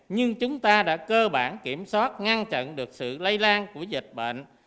nhưng chúng ta đã cơ bản kiểm soát ngăn chặn được sự lây lan của dịch bệnh